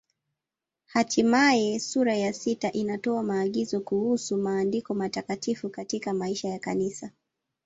Hatimaye sura ya sita inatoa maagizo kuhusu Maandiko Matakatifu katika maisha ya Kanisa.